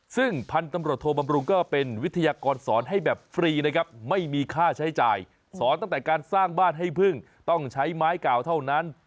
ซึ่งพันธุ์ตำรวจโทบำรุงก็เป็นวิทยากรสอนให้แบบฟรีนะครับไม่มีค่าใช้จ่ายสอนตั้งแต่การสร้างบ้านให้พึ่งต้องใช้ไม้เก่าเท่านั้น